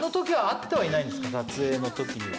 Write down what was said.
撮影のときには。